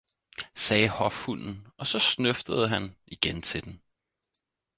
sagde hofhunden og så snøftede han igen til den.